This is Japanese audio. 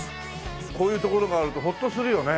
こういう所があるとホッとするよね